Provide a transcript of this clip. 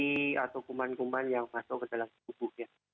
kondisi atau kuman kuman yang masuk ke dalam tubuhnya